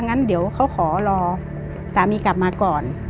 งั้นเดี๋ยวเขาขอรอสามีกลับมาก่อน